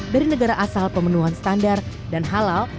dari negara asal pemenuhan standar dan halal